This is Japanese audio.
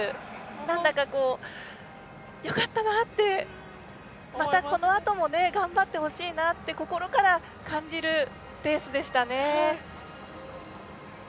なんだかよかったなってまた、このあとも頑張ってほしいなって心から感じるレースでしたね。